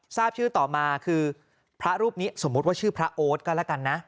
ทราบชื่อต่อมาคือพระรูปนี้สมมุติว่าชื่อพระโอ๊ตก็แล้วกันนะ